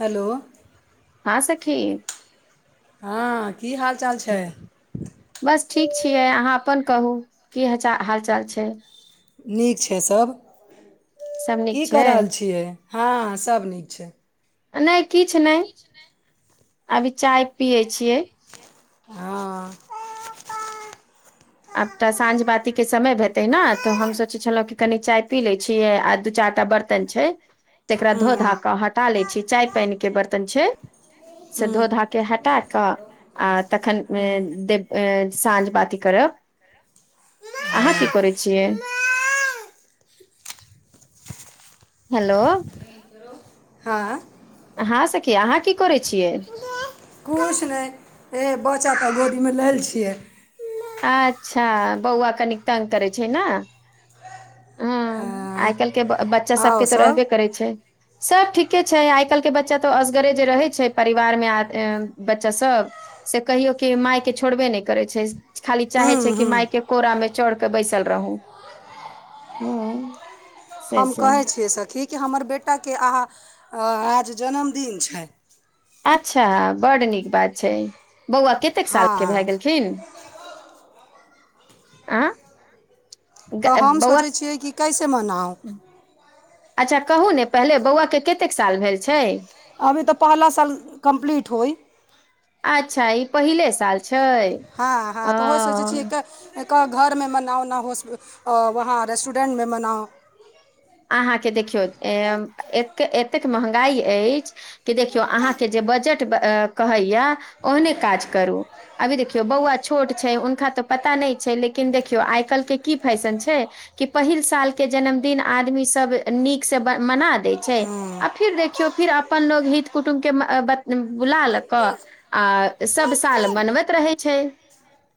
Hello हँ सखी हँ की हाल चाल छै बस ठीक छियै अहाँ अपन कहू की हचा हाल चाल छै नीक छै सभ सब नीक की छै कऽ रहल छियै हँ सब नीक छै नय किछ नय अभी चाय पियै छियै हँ आब तटा साँझ बाती केँ समय हेतै नऽ तऽ हम सोचै छलहुँ कनी चाय पी लै छियै आ दू चाइर टा बर् तन छै तेकरा हूँ धो धा कऽ हटा लै छी चाय पाइन केँ बर्तन छै से हूँ धो धा केँ हटा कऽ आ तखन ए दे ए साँझ बाती करब अहाँ की करै छियै हेलो हँ हँ सखी अहाँ की करै छियै कुछ नय हे बच्चा तऽ गोदीमे लेल छियै अच्छऽ बौआ कनिक तंग करै छै नऽ हँ आइ काइल केँ बच्चा सब केँ तऽ रहबे करै छै सभ ठीके छै आइ काइल केँ बच्चा तो असगरे जे रहै छै परिवारमे आ बच्चा सभ से कहियो कि माय केँ छोड़बे नय करै छै खाली चाहे छै हूँ कि हूँ मायके कोरा मे चढ़ केँ बैसल रहू हुँ हम कहै छियै सखी कि हमर बेटा केँ अहाँ आज जन्मदिन छै अच्छा बड नीक बात छै बौआ कतेक हँ साल केँ भए गेलखिन आ तऽ ग- हम बौआ सोचै छियै कि कैसे मनाउ अच्छा कहू ने पहिले बौआ केँ कतेक साल भेल छै अभी तऽ पहला साल कम्प्लीट होइ अच्छा ई पहिले साल छैय हँ हँ अ तऽ ओहे सोचै छियै एक एक घरमे मनाउ ने होस वहाँ रेस्टोरेन्टमे मनाउ अहाँके देखियौ ए एतेक एतेक महँगाइ ऐछ कि देखियौ अहाँके जे बजट कहैए ओहने काज करू अभी देखियौ बौआ छोट छै हुनका तऽ पता नय छै लेकिन देखियौ आइ काल्हिके की फैशन छै कि पहिल सालके जन्मदिन आदमी सब नीकसँ मना दै छै हँ आ फेर देखियौ फिर अपन लोग हित कुटुम्बके ब बुला ल कऽ आ सभ साल बनबैत रहै छैय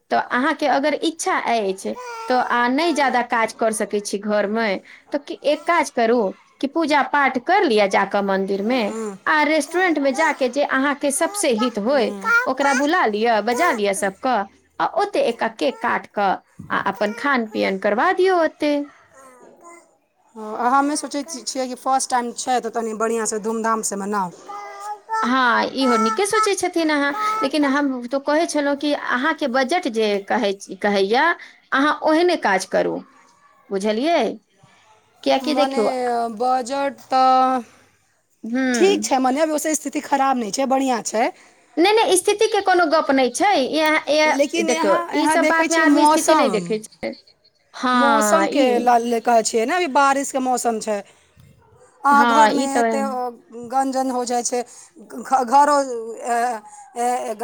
तऽ अहाँके अगर इच्छा ऐछ तऽ अहाँ नय ज्यादा काज कर सकैत छी घरमे तऽ एक काज करू कि पूजा पाठ कैर लिअ जाकऽ मंदिर मे हँ आ रेस्टरेंटमे जाके जे अहाँके सभसँ हित होय ओकरा बुला लिअ बजा लिअ सबके आ ओतेक एकटा केक काट कऽ आ अपन खान पियन करबा दियौ ओते हमे सोचैत छियै कि फर्स्ट टाइम छै तऽ तनी बढ़िआँसँ धूमधामसँ मनाउ हँ इहो नीके सोचैत छथिन हँ लेकिन हम तऽ कहैत छलो कि अहाँके बजट जे कहैये अहाँ ओहने काज करू बुझलिए मने बजट तऽ ठीक हूँ छै मने अभी ओसे स्थिति ति खराब नय छै बढ़िआँ छैय नय नय स्थिति के कोनो गप नय छैय लेकिन देखियौ यहाँ ई यहाँ सब देखै बात मे छियै आदमी स्थिति नय देखै छै हँ मौसम के ई लैके कहै छियै ने अभी बारिश के मौसम छै अहाँ हँ घरमे ई तऽ एतेक गंजन हो जाइ छै घ घरो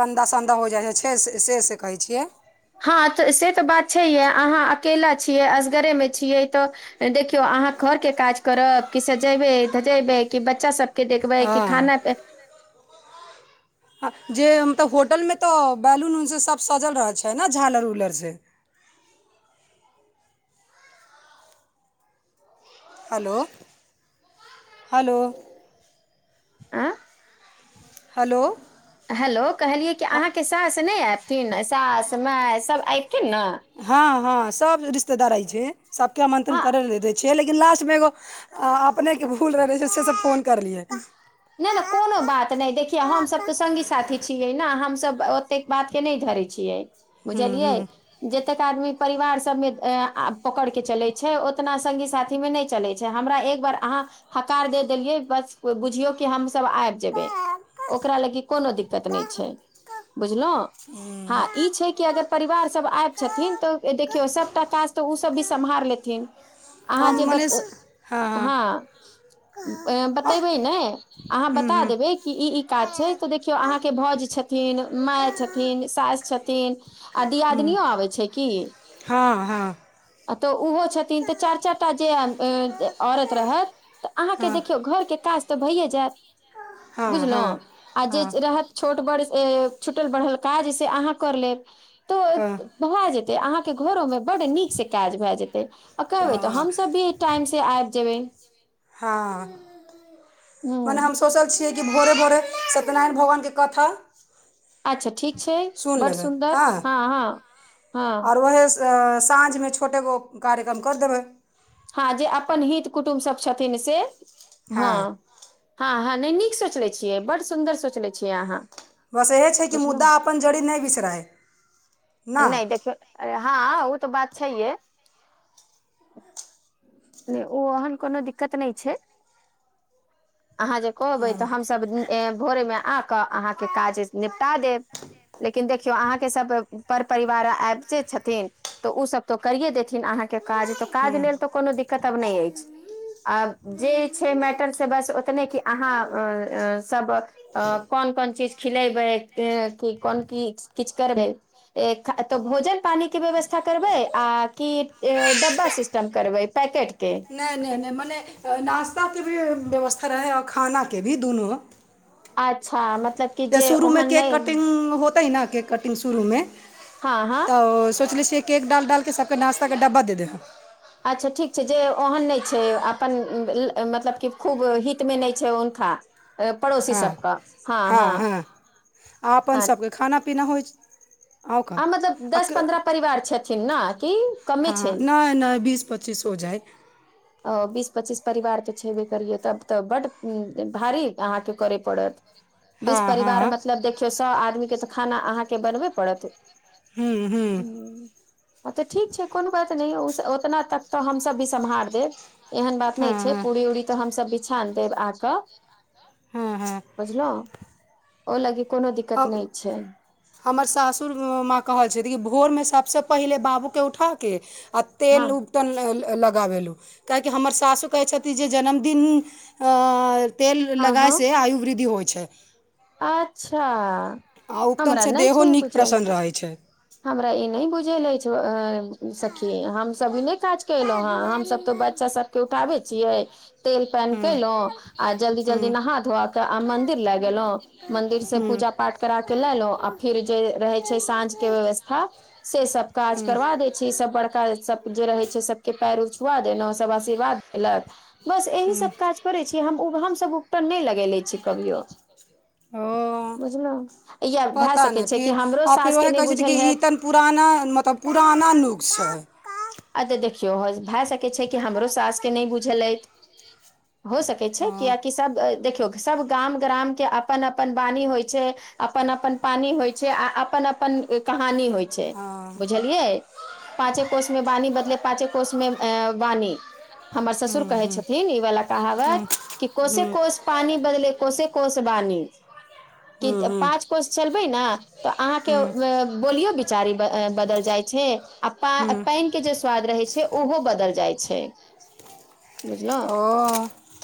गन्दा सन्दा हो जाइ हइ छैय से से कहै छियै हँ तऽ से तऽ बात छैहै अहाँ अकेला छियै असगरे में छियै तऽ देखियौ अहाँ घरके काज करब कि सजेबै धजेबै कि बच्चा सब के देखबै कि हँ खाना जे मतलब होटल मे तऽ बैलून उलसून सब सजल रह छै ने झालर उलर से हेलो हेलो आँ हेलो हेलो कहलियै कि अहाँके सास नय अऐथिन सास माय सभ अबथिन ने हँ हँ सब रिश्तेदार अवैयछै सबके आमंत्रण हँ करे ल द छै छीय लेकिन लास्ट मे एगो अपनेके भूल रहले से सब फोन करलियै नय नय कोनो बात नय देखियौ हमसभ तऽ सङ्गी साथी छियै ने हमसभ तेक बात के नय धरे छियै हूँ बुझलियै हूँ जेतेक आदमी परिवार सब में पकड़ के चले छैय उतना संगी साथी में न चले छैय हमरा एक बार अहाँ हकार दे देलियै बस को बुझियौ कि हमसब आइब जेबै ओकरा लागी कोनो दिक्कत नय छै बुझलो हँ ई छै कि अगर परिवार सब आब छथिन तऽ देखियौ सबटा काज तऽ ओ सब भी सम्हार लेथिन अहाँ हम जे मने बते हँ हूँ बतयबय नै अहाँक बता हूँ देबय कि ई ई काज छैय तऽ देखियौ अहाँके भौज छथिन माय छथिन सास छथिन आ हूँ दियादिनियो आबै छै की हँ हँ। तऽ ओहो छथिन। तऽ चारि चारि टा जे औरत रहत तऽ अहाँके हँ देखियौ घरके काज तऽ भइए जायत हँ बुझलहु हँ आ जे हँ रहत छोट बड़ से छूटल बढ़ल काज से अहाँ कर लेब तो हँ भए जेते अहाँ के घरो में बड नीक से काज भय जेते आ कहबे तऽ हँ हमस भी टाइम से आबि जेबै हँ मने ह हम सोचल छियै कि भोरे भोरे सत्यनारायण भगवानके कथा अच्छा ठीक छै सुनि बड लेबै सुन्दर हँ हँ हँ त साँझमे छोटेगो कार्यक्रम करि देबै हँ जे अपन हित कुटुम्ब सब छथिन से हँ हँ हँ नहि नीक सोचलने छियै बड्ड सुन्दर सोचले छियै अहाँ बस इएह छै कि बुझलहु मुद्दा अपन जड़ी नहि बिसराय ने नहि देखियौ हँ ओ तऽ बात छैहे नहि ओ ओहन कोनो दिक्कत नहि छै अहाँ जे कहबै तऽ हम सब ए भोरे मे आके अहाँके काज निपटा देब लेकिन देखियौ अहाँके सब पर परिवार आबिते छथिन तऽ ओसभ तऽ करिए देथिन अहाँके काज तऽ काज हूँ लेल तऽ कोनो दिक्कत आब नय अछि आ जे छै मैटर से बस ओतने कि अहाँ ए ए सब अ कोन कोन चीज खिलेबै कि कोन की किछु करबै तो भोजन पानी के व्यवस्था करबे आ कि डब्बा सिस्टम करबे पैकेटके नय नय नय मने नास्ताके भी व्यवस्था रहै ओर खानाके भी दुनू अच्छा मतलब कि त जे शुरूमे ओहन केक नहि कटिंग होतै न केक कटिंग शुरूमे हँ हँ तऽ सोचले छिय केक डाल डालके सभके नास्ताके डब्बा द दैबे अच्छा ठीक छै जे ओहन नय छै अपन मतलब कि खूब हितमे नय छै हुनका पड़ोसी हँ सब का हँ हँ आ ह खाना पीना होइ अउ का मतलब दस पन्द्रह परिवार छथिन ने कि कमे छै हँ नै नै बीस प [unintelligible] हो जाए अ बीस पच्चीस परिवार तऽ छेबे करियै तब तऽ बड भारी अहाँके करे पड़त [unintelligible] बीस हँ परिवार मतलब देखियौ सौ आदमी के तऽ खाना अहाँके बनबे पड़त ह्म्म [inaudible] ह्म्म हँ तऽ ठीक छै कोनो बात नय ओतना तक तऽ हमसभ भी सम्हार देब एहन बात नय हँ छै हँ पूरी उरी तऽ हमसभ भी छान देब आक हँ हँ बुझलहु ओहि लागी कोनो दिक्कत हम नय छै। हमर सासुर माँ कहैत छथि भोर मे सभ सँ पहिले बाबूके उठाके आ हँ तेलु उ न लगाबेलहुँ काहे कि हमर सासु कहै छथिन जे जन्मदिन अ तेल हँ हँ लगइसँ आयु वृद्धि होइ छै। अच्छा आ हमरा उपटनसँ नय देहो छै नीक बुझल प्रसन्न रहै छै हमरा ई नय बुझेल अछि सखी हम सब ई नय काज की केलहु हन हम सभ तो बच्चा सब के उठाबे छियै तेल पानि हूँ केलौं आ जल्दी हूँ जल्दी नहा धोआ कऽ आ मंदिर लए गेलौं मन्दिरसँ हूँ पूजा पाठ करा के लए लेलहुँ आ फेर जे रहै छै साँझके व्यवस्था से सब काज हूँ करबा दै छै सब बड़का सब जे रहे छै सबके पैर छुआ देलौं सब आशीर्वाद दैलैथ बस एहि हूँ सब काज। करे छी हम सब उपटन नय लगेेले छी कभियो। ओ बुझलहु या भए पता सकै नय छै कि फिर हमरो सास फेर के ओहे नहि कहै छथि बुझल ई हैत तऽ। पुराना मतलब पुराना नूग स। अ तऽ देखियौ भए सकै छै कि हमरो सास के नय बुझल अछि हो सकै। छै हँ कियेकि सब देखियौ सब गाम ग्रामके अपन अपन वाणी होइ छै। अपन अपन पानी होइ छै आ अपन अपन कहानी। होइ छै हँ बुझलियै पाँचे कोस मे वाणी। मतलब पाँचे कोष मे आयं वाणी हमर ससुर हूँ कहै हूँ छथिन ई बला हूँ कहावत कि कोसे हूँ कोस। पानी बदले कोसे कोस वाणी। कि हूँ हूँ पाँच कोस चलबै ने तऽ अहाँके हूँ बोलियो। चारी बदल जाइ छै आ पा हूँ पानि के जे स्वाद रहै छै उहो बदलि जाइ छै। बुझलहु ओ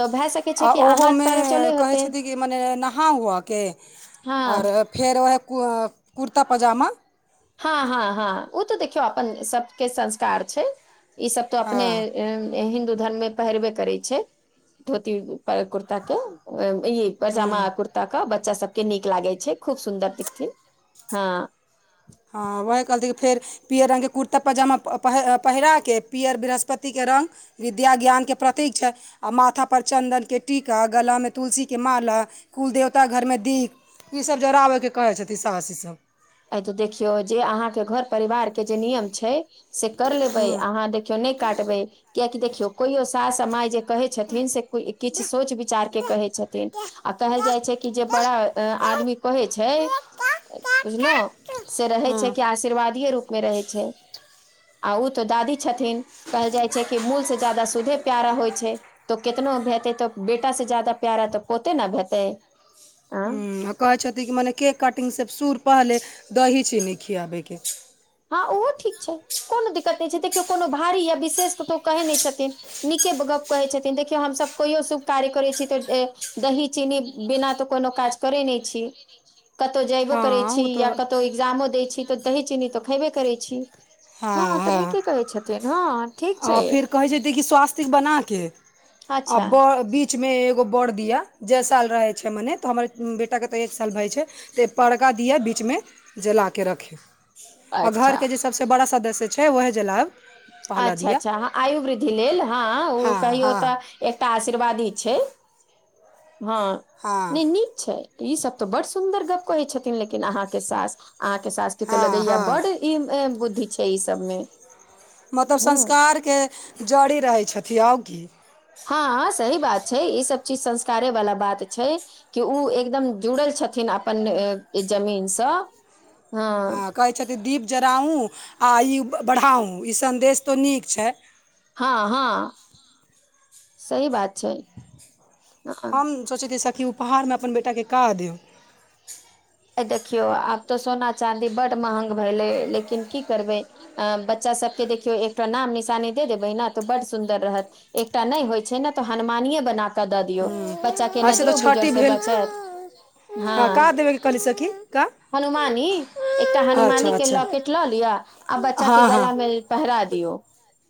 तऽ भए सकै छै आ कि अहाँ ओहोमे तरफ चले कहै होते छथि कि मने नहा उहाके हँ आओर फेर उहे कुर कुर्ता पैजामा हँ हँ हँ ओ तऽ देखियौ अप्पन सब के संस्कार छै। ई सब तो हँ अपने एं। हिन्दू धर्म मे पहिरबे करै छै धोती कुर्ता कुर्ता के ई। पैजामा हूँ कुर्ता के बच्चा सबके नीक लागे छै खूब सुन्दर दिखथिन हँ। हँ वहै कहलथिन की फेर पियर रंग के कुर्ता पजामा पहि पहिरा कऽ पियर बृहस्पतिके रंग विद्या ज्ञान के प्रतीक छै आ माथा पर चन्दन के टीका गला मे तुलसी के माला। कुलदेवता घर मे दीप ई सभ जराबे के कहै छथिन सास सभ। आय तो देखियौ जे अहाँ के घर परिवार के जे नियम छै से कर लेबै हँ अहाँ देख। नय काटबै कियेकि देखियौ कोइओ सास माय जे कहै छथिन से। किछ सोच विचार के कहै छथिन आ कहल जाइ छै कि जे बड़ा। अंय आदमी कहै छै बुझलों से रहै हँ छै हँ कि आशिर्वादी रूप मे रहै छै। आ उ तो दादी छथिन कहल जाइ छै कि मूल से ज्यादा सूदे प्यारा होइ छै। तो केतनो हेतैए तऽ बेटा से जादा प्यारा तऽ पोते न हेतै। आँ उंम्म कहैत छथिन कि मने केक कटिंग से सुर पहले दही चीनी खियाबे के। हँ उहो ठीक छै कोनो दिक्कत नय छै देखियौ कोनो भारी या विशेष के तऽ ओ कहै नय छथिन। नीके गप्प कहै छथिन देखियौ हम सभ कहियो शुभ कार्य करै छी तऽ ए। दही चीनी बिना तऽ कोनो काज करै नय छी। कतौ जयबो हँ करै छी ओ या तऽ कतौ एग्जामो दैय छी तऽ दही चीनी तऽ खयबे करै छी। हँ तऽ नीके कहै छथिन हँ ठीक छै। आओर फिर कहै छथिन की स्वस्तिक बना के आ अच्छा बर। बीचमे एगो बड़ दिया जै साल रहै छै मने तऽ हमर बेटाके तऽ एक साल भए छै। तऽ पड़का दिआ बीच में जला केँ रखै। आ घर अच्छा केँ जे सबसे बड़ा सदस्य छै उहे जलैब अच्छा अच्छा आयु वृद्धि लेल हँ उऽ हँ कहियो हँ तऽ। एकटा आशीर्वादी छै [inaudible] हँ हँ नै नीक छै। ई सब तऽ बड सुन्दर गप्प कहै छथिन लेकिन आहाँ केँ सास अहाँ केँ सास केँ तऽ हँ लगैया हँ बड। ई एम बुद्धि छै ई सब में। मतलब संस्कार केँ जड़ी रहै छथिन आगे। हँ सही बात छै ई सब चीज संस्कारे वाला बात छै। कि उऽ एकदम जुड़ल छथिन अप्पन ए जमीन सँ। हँ कहै छथिन दीप जराउ आ आयु बढ़ाउ ई सन्देश तऽ नीक छै। हऽ हऽ [inaudible] सही बात छै। हँ हम सोचै छी सखी उपहार में अपन बेटा केँ का देब। हे देखियो आब तऽ सोना चाँदी बड महंग भेले। लेकिन की करबे। अ बच्चा सबकेँ देखियौ एकटा नाम निशानी दे देबै न तऽ बड सुन्दर रहत। एकटा नै होइ छै न तऽ हनुमानि ए बना कऽ दऽ दियौ। बच्चा केँ ऐसे तऽ नजरो गुजर छठि स बचैत [inaudible] हँ। देब कऽ कहली सखी का हनुमानी। एकटा हनुमानी अच्छा केँ अच्छा लॉकेट लऽ लिअ आ बच्चा केँ हँ हँ गला में पहिरा दियौ।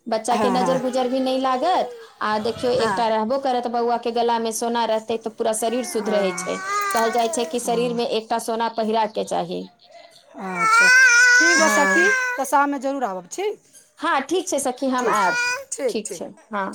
बच्चा केँ हँ नजर हँ गुजर भी नै लागत आ देखियौ हँ एकटा रहबो। करत बौआ केँ गला में सोना रहतै तऽ पूरा शरीर शुद्ध रहै छै कहल जाइ छै कि हँ शरीर मे एक ना पहिर केँ चाही। अच्छा ठीक हइ हँ सखी तऽ शाम में जरूर आबव ठीक। हँ ठीक छै सखी हम ऐब [inaudible] ठीक छै हँ।